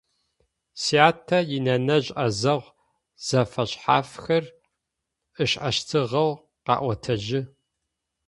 Сятэ инэнэжъ ӏэзэгъу зэфэшъхьафхэр ышӏэщтыгъэу къаӏотэжьы.